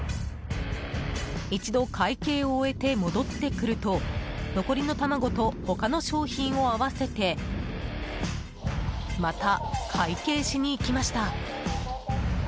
一度会計を終えて戻ってくると残りの卵と他の商品を合わせてまた会計しに行きました。